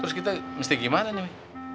terus kita mesti gimana nih